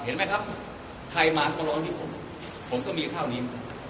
เห็นไหมครับใครมากรณ์บริบได้ผมผมก็มีข้าวนี้